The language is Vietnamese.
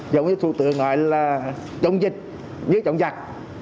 giống như thủ tượng gọi là chống dịch như chống giặc